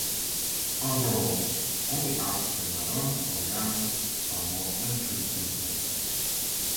Overall, only artists like Madonna or Rihanna have more entries than him.